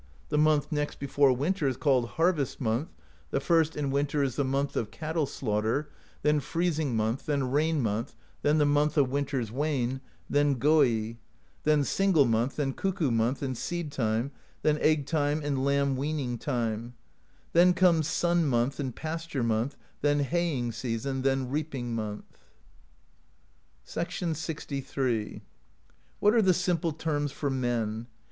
The month next before winter is called Harvest Month; the first in winter is the Month of Cattle Slaughter; then Freezing Month, then Rain Month, then the Month of Winter's Wane, then Goi;^ then Single Month, then Cuckoo Month and Seed Time, then Egg time and Lamb Weaning Time; then come Sun Month and Pasture Month, then Haying Season; then Reaping Month.] ^ LXni. "What are the simple terms for men?